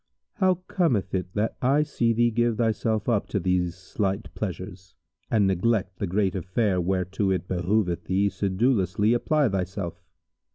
How cometh it that I see thee give thyself up to these slight pleasures and neglect the great affair whereto it behoveth thee sedulously apply thyself?